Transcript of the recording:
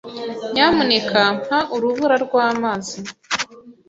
Nyamuneka mpa urubura rw'amazi.